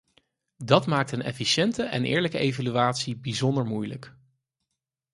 Dat maakt een efficiënte en eerlijke evaluatie bijzonder moeilijk.